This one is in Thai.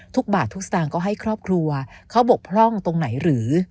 ทุกบาททุกสตางค์ก็ให้ครอบครัวเขาบกพร่องตรงไหนหรือ